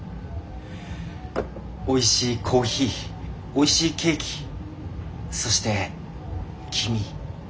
おいしいコーヒーおいしいケーキそして君。